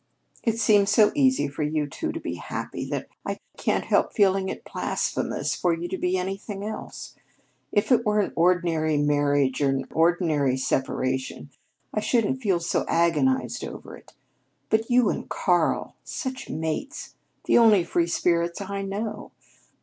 It seems so easy for you two to be happy that I can't help feeling it blasphemous for you to be anything else. If it were an ordinary marriage or an ordinary separation, I shouldn't feel so agonized over it. But you and Karl such mates the only free spirits I know!